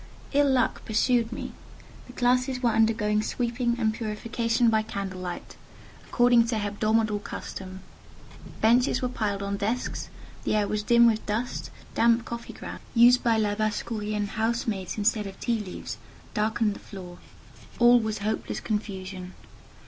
Ill luck pursued me. The classes were undergoing sweeping and purification by candle light, according to hebdomadal custom: benches were piled on desks, the air was dim with dust, damp coffee grounds (used by Labassecourien housemaids instead of tea leaves) darkened the floor; all was hopeless confusion.